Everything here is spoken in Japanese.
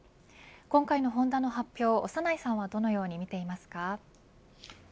今回のホンダの発表を長内さんはどのように見ていますか。